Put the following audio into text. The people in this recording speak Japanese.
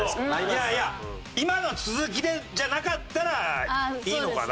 いやいや今の続きでじゃなかったらいいのかな？